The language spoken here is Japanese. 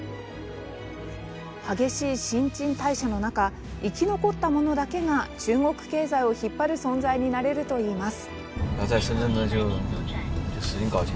激しい新陳代謝の中生き残ったものだけが中国経済を引っ張る存在になれるといいます。